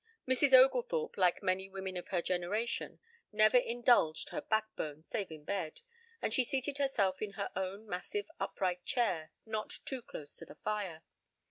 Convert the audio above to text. Mrs. Oglethorpe, like many women of her generation, never indulged her backbone save in bed, and she seated herself in her own massive upright chair not too close to the fire.